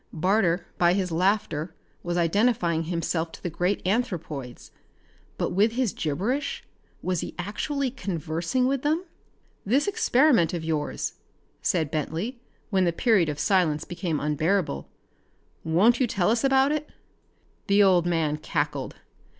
Barter, by his laughter, was identifying himself to the great anthropoids. But with his gibberish was he actually conversing with them? "This experiment of yours," said Bentley when the period of silence became unbearable, " won't you tell us about it?" The old man cackled.